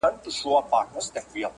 په همغو ټولنو کي مدغم کېدای سي